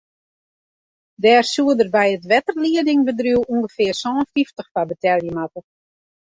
Dêr soed er by it wetterliedingbedriuw ûngefear sân fyftich foar betelje moatte.